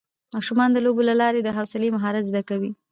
ماشومان د لوبو له لارې د حوصلې مهارت زده کوي